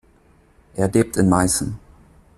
Er lebt in Meißen.